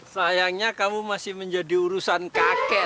sayangnya kamu masih menjadi urusan kakek